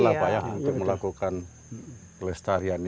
untuk melakukan kelestarian ini